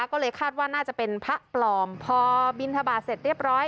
ก็เลยคาดว่าน่าจะเป็นพระปลอมพอบินทบาทเสร็จเรียบร้อย